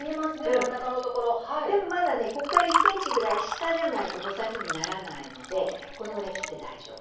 でもまだねこっから１ｃｍぐらい下じゃないと穂先にならないのでこのぐらい切って大丈夫。